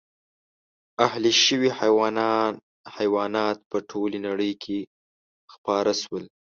اهلي شوي حیوانات په ټولې نړۍ کې خپاره شول.